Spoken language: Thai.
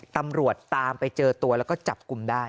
ตำรวจตามไปเจอตัวแล้วก็จับกลุ่มได้